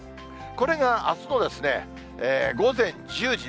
これがあすの午前１０時。